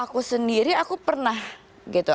aku sendiri aku pernah gitu